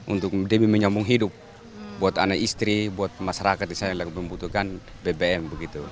untuk demi menyambung hidup buat anak istri buat masyarakat yang membutuhkan bbm begitu